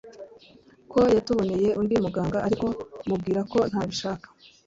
ko yatuboneye undi muganga ariko mubwira ko ntabishaka